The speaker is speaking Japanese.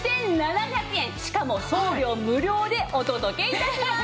しかも送料無料でお届け致します！